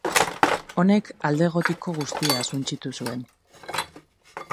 Honek alde gotiko guztia suntsitu zuen.